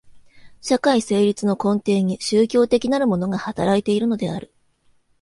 社会成立の根底に宗教的なるものが働いているのである。